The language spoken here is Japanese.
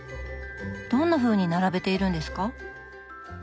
どんなふうに並べているんですか？